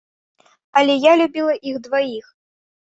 Але я любіла іх дваіх.